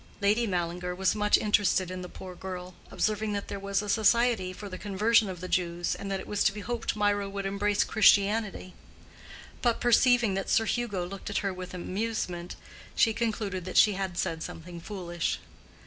Lady Mallinger was much interested in the poor girl, observing that there was a society for the conversion of the Jews, and that it was to be hoped Mirah would embrace Christianity; but perceiving that Sir Hugo looked at her with amusement, she concluded that she had said something foolish.